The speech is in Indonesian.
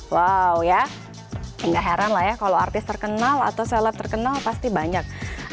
wow ya nggak heran lah ya kalau artis terkenal atau sellet terkenal pasti banyak